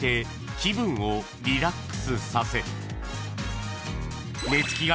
［気分をリラックスさせ］